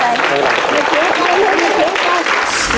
นั่นเป็นไร